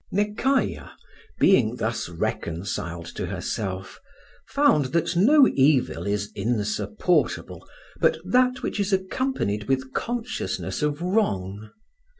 NEKAYAH, being thus reconciled to herself, found that no evil is insupportable but that which is accompanied with consciousness of wrong.